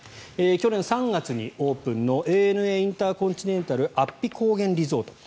去年３月にオープンのＡＮＡインターコンチネンタル安比高原リゾート。